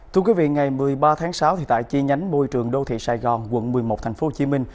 thưa quý vị ngày một mươi ba tháng sáu tại chi nhánh môi trường đô thị sài gòn quận một mươi một tp hcm